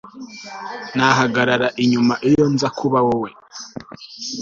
Nahagarara inyuma iyo nza kuba wowe